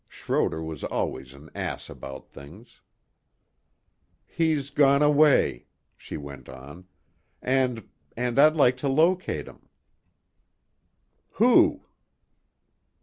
Schroder was always an ass about things. "He's gone away," she went on. "And ... and I'd like to locate him." "Who?"